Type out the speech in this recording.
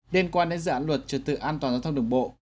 liên quan đến dự án luật trật tự an toàn giao thông đường bộ